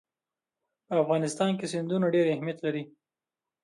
په افغانستان کې سیندونه ډېر اهمیت لري.